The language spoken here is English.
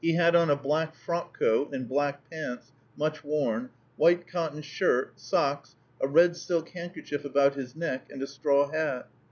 He had on a black frock coat, and black pants, much worn, white cotton shirt, socks, a red silk handkerchief about his neck, and a straw hat.